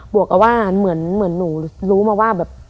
วกกับว่าเหมือนหนูรู้มาว่าแบบ